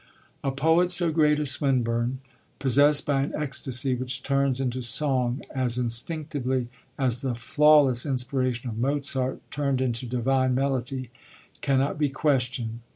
A poet so great as Swinburne, possessed by an ecstasy which turns into song as instinctively as the flawless inspiration of Mozart turned into divine melody, cannot be questioned.